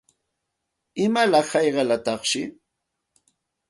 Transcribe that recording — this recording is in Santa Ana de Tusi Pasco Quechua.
¿Imalaq hayqalataqshi?